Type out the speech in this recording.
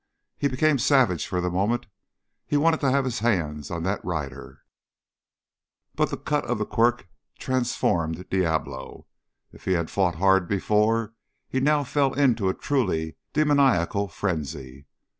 He became savage for the moment. He wanted to have his hands on that rider! But the cut of the quirt transformed Diablo. If he had fought hard before, he now fell into a truly demoniacal frenzy.